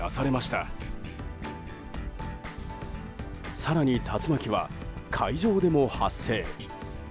更に、竜巻は海上でも発生。